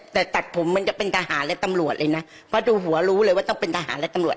แต่ตัดผมเหมือนกับเป็นทหารและตำรวจเลยนะเพราะดูหัวรู้เลยว่าต้องเป็นทหารและตำรวจ